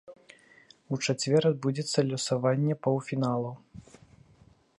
У чацвер адбудзецца лёсаванне паўфіналу.